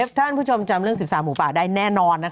ถ้าท่านผู้ชมจำเรื่อง๑๓หมูป่าได้แน่นอน